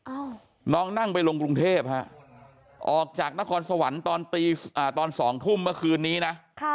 เอ้าน้องนั่งลงไปกรุงเทพฯออกจากนะครสวันตอนถึง๒ทุมเมื่อคืนนี้นะ